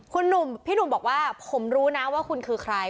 คุณหนุ่มพี่หนุ่มบอกว่าผมรู้นะว่าคุณคือใคร